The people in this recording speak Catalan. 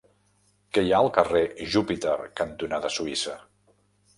Què hi ha al carrer Júpiter cantonada Suïssa?